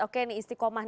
oke ini istiqomah